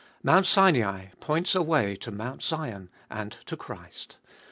Mount Sinai points away to Mount Sion and to Christ.